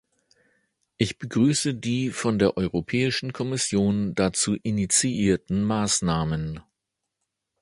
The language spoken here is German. Ich begrüße die von der Europäischen Kommission dazu initiierten Maßnahmen.